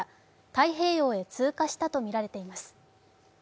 太平洋へ通過したとみられています。